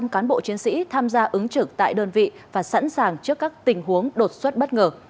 một trăm linh cán bộ chiến sĩ tham gia ứng trực tại đơn vị và sẵn sàng trước các tình huống đột xuất bất ngờ